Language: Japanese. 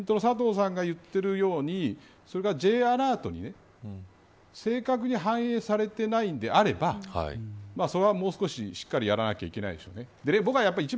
たださっきも自民党の佐藤さんが言っているようにそれがＪアラートに正確に反映されていないのであればそれはもう少し、しっかりやらないといけないでしょうね。